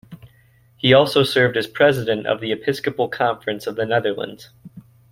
He also served as President of the Episcopal Conference of the Netherlands.